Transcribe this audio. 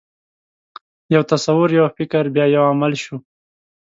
یو تصور، یو فکر، بیا یو عمل شو.